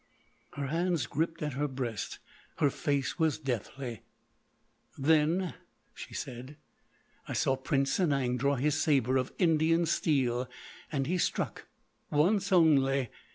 Her hands gripped at her breast; her face was deathly. "Then," she said, "I saw Prince Sanang draw his sabre of Indian steel, and he struck ... once only....